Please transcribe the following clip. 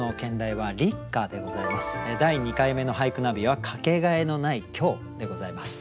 第２回目の「俳句ナビ」は「掛け替えのない今日」でございます。